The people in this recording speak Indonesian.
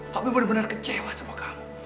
tapi benar benar kecewa sama kamu